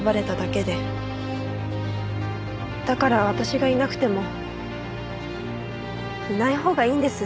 だから私がいなくてもいないほうがいいんです。